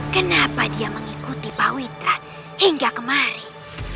kenapa dia mengikuti pawitra hingga kemari